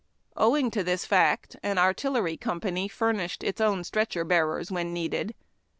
Owing to this fact, an artillery company furnished its own stretcher bearers when needed.